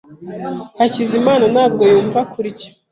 Hakizimana ntabwo yumva kurya.